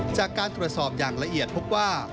จากการตรวจสอบอย่างละเอียดพบว่า